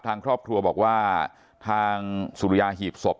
ทางครอบครัวบอกว่าทางสุริยาหีบศพ